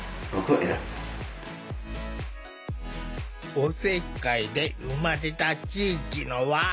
おせっかいで生まれた地域の輪。